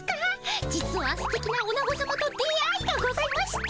実はすてきなおなごさまと出会いがございまして。